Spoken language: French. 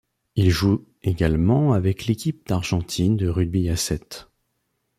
Il joue également avec l'Équipe d'Argentine de rugby à sept.